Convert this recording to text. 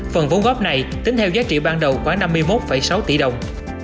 phần vốn góp này tính theo giá trị ban đầu khoảng năm mươi một sáu tỷ đồng